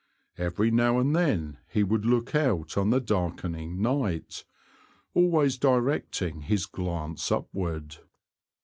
Every now and then he would look out on the darkening night, always directing his glance upward.